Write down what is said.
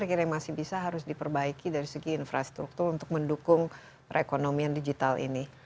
apa kira kira yang masih bisa harus diperbaiki dari segi infrastruktur untuk mendukung perekonomian digital ini